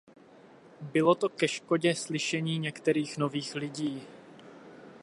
Bylo to ke škodě slyšení některých nových lidí.